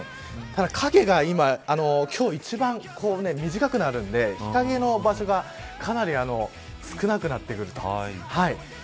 ただ影が、今日一番短くなるんで日陰の場所がかなり少なくなってくる。